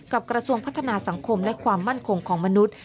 กระทรวงพัฒนาสังคมและความมั่นคงของมนุษย์